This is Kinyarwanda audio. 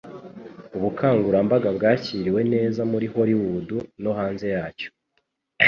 Ubukangurambaga bwakiriwe neza muri Hollywood no hanze yacyo